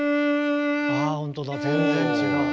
ほんとだ全然違う。